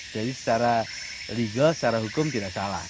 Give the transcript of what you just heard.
jadi secara legal secara hukum tidak salah